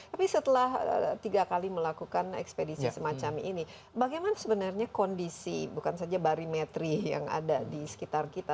tapi setelah tiga kali melakukan ekspedisi semacam ini bagaimana sebenarnya kondisi bukan saja barimetri yang ada di sekitar kita